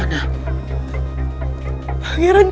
karena faktamu seperti ini